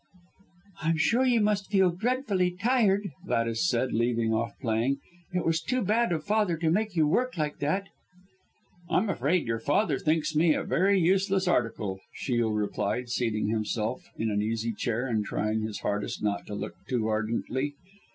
"I'm sure you must feel dreadfully tired," Gladys said, leaving off playing. "It was too bad of Father to make you work like that." "I'm afraid your father thinks me a very useless article," Shiel replied, seating himself in an easy chair, and trying his hardest not to look too ardently.